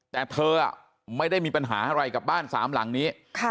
แต่เธอไม่ได้มีปัญหาอะไรกับบ้านสามหลังนี้